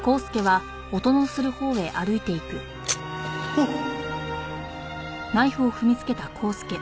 あっ！